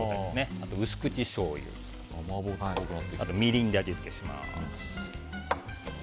あと、薄口しょうゆみりんで味付けします。